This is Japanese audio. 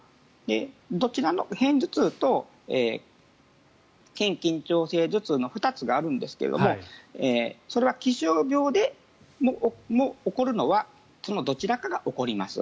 片頭痛と筋緊張性頭痛の２つがあるんですけどそれは気象病で起こるのはそのどちらかが起こります。